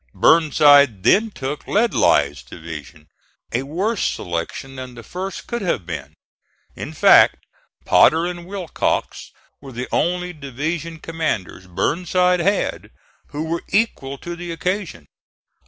Burnside then took Ledlie's division a worse selection than the first could have been. In fact, Potter and Willcox were the only division commanders Burnside had who were equal to the occasion.